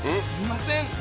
すみません